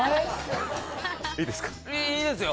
いいですよ。